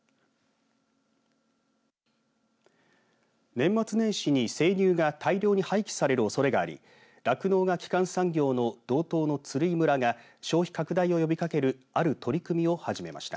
年末年始に生乳が大量に廃棄されるおそれがあり酪農が基幹産業の鶴居村が消費拡大を呼びかけるある取り組みを始めました。